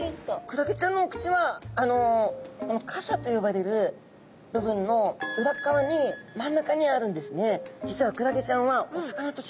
クラゲちゃんのお口はこの傘と呼ばれる部分の裏側に真ん中にあるんですね。